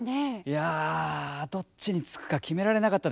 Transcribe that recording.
いやどっちにつくか決められなかったです。